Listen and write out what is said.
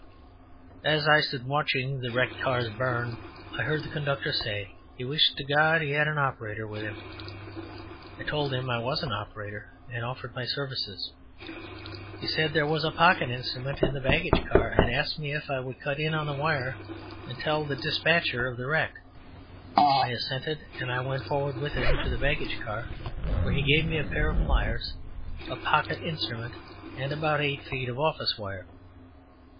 As I stood watching the wrecked cars burn, I heard the conductor say, "he wished to God he had an operator with him." I told him I was an operator and offered my services. He said there was a pocket instrument in the baggage car, and asked me if I would cut in on the wire and tell the despatcher of the wreck. I assented and went forward with him to the baggage car, where he gave me a pair of pliers, a pocket instrument and about eight feet of office wire.